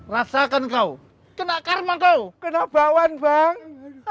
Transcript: rasakan kau kena karma kau kena bakwan bang